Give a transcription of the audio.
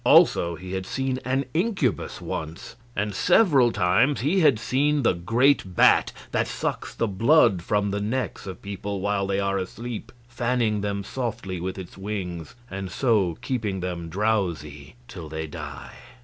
Also he had seen an incubus once, and several times he had seen the great bat that sucks the blood from the necks of people while they are asleep, fanning them softly with its wings and so keeping them drowsy till they die.